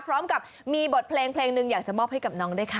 พร้อมกับมีบทเพลงเพลงหนึ่งอยากจะมอบให้กับน้องด้วยค่ะ